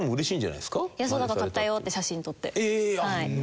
いやそうだから「買ったよ」って写真撮って。